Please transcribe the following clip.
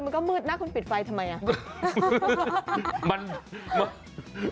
บ้านคืนนี้ก็มืดแล้วทำไมคนปิดไฟ